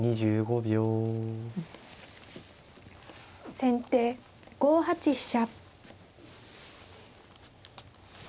先手５八飛車。